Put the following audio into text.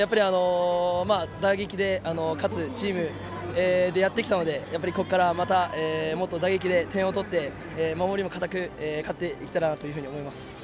打撃で勝つチームとしてやってきたのでここからまたもっと打撃で点を取って守りも堅く勝っていけたらと思います。